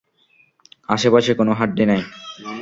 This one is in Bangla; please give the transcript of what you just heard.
আশেপাশে কোন হাড্ডি নাই।